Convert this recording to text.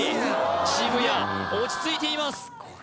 渋谷落ち着いています